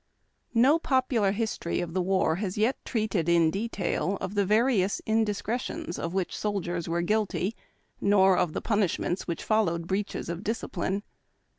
O popular history of tlie war lias yet treated in detail of the various in discretions of which soldiers were guilty, nor of the punishments which followed breaches of discipline.